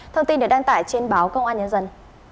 thông tin được đăng tải trên báo công an nhân dân